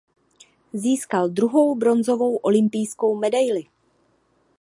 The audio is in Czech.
Získal druhou bronzovou olympijskou medaili.